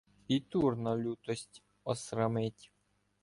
І Турна лютость осрамить.